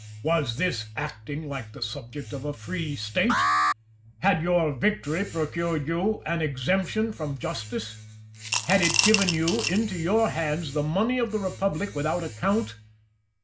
Was this acting like the subject of a free State? Had your victory procured you an exemption from justice? Had it given into your hands the money of the republic without account?